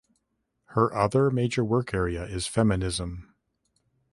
Her other major work area is feminism.